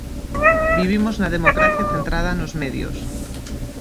Vivimos na democracia centrada nos medios.